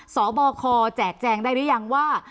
สบคแจกแจงได้หรือยังว่า